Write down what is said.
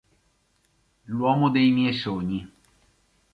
L'uomo dei miei sogni